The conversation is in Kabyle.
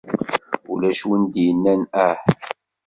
Ulac win d-yennan aḥ!